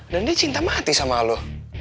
dan dia cinta mati sama lu